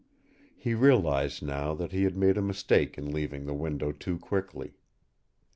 He realized now that he had made a mistake in leaving the window too quickly.